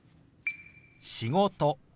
「仕事」。